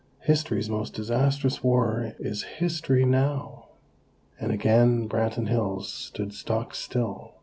HISTORY'S MOST DISASTROUS WAR IS HISTORY NOW!!!" and again, Branton Hills stood stock still.